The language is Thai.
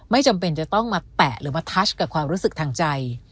ไม่จำเป็นจะต้องมาแตะหรือมาทัชกับความรู้สึกทางใจ